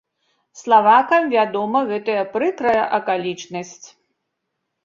Славакам вядома гэтая прыкрая акалічнасць.